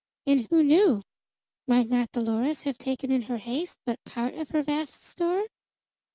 And who knew? Might not Dolores have taken in her haste but part of her vast store?